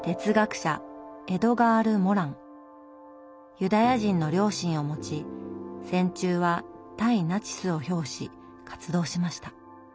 ユダヤ人の両親を持ち戦中は対ナチスを表し活動しました。